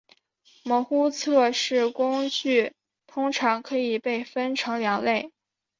模糊测试工具通常可以被分为两类。